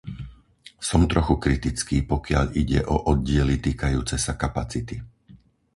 Som trochu kritický, pokiaľ ide o oddiely týkajúce sa kapacity.